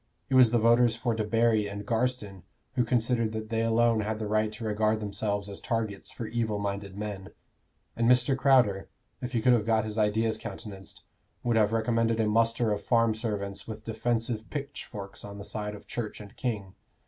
It was the voters for Debarry and Garstin who considered that they alone had the right to regard themselves as targets for evil minded men; and Mr. Crowder, if he could have got his ideas countenanced, would have recommended a muster of farm servants with defensive pitchforks on the side of Church and king.